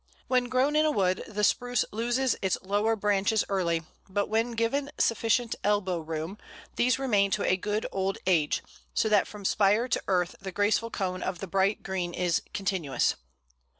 When grown in a wood the Spruce loses its lower branches early, but when given sufficient "elbow room," these remain to a good old age, so that from spire to earth the graceful cone of bright green is continuous.